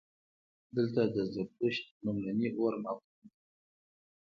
دلته د زردشت لومړني اور معبدونه وو